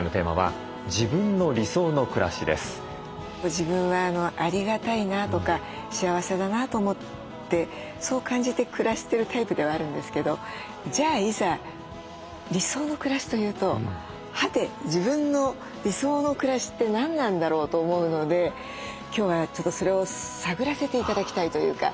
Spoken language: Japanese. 自分はありがたいなとか幸せだなと思ってそう感じて暮らしてるタイプではあるんですけどじゃあいざ理想の暮らしというとはて自分の理想の暮らしって何なんだろう？と思うので今日はちょっとそれを探らせて頂きたいというか。